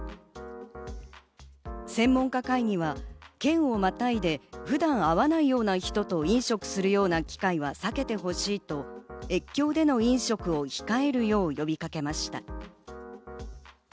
専門家会議は、県をまたいで普段会わないような人と飲食するような機会は避けてほしいと、越境での飲食を控えるよう呼びかけました。